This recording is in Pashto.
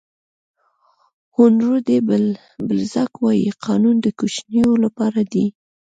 هونور ډي بلزاک وایي قانون د کوچنیو لپاره دی.